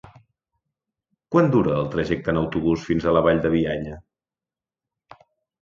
Quant dura el trajecte en autobús fins a la Vall de Bianya?